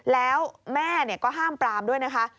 แล้วแม่ก็ห้ามปรามด้วยนะคะ